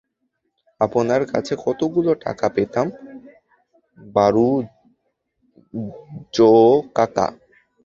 আপনার কাছে কতগুলো টাকা পেতাম বাড়ুজোকাকা।